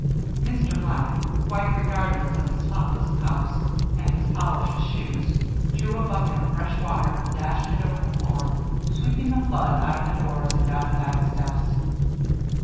Mr. Black, quite regardless of his spotless cuffs and his polished shoes, drew a bucket of fresh water and dashed it over the floor, sweeping the flood out of doors and down the back steps.